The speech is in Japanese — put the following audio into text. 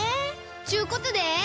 ちゅうことで。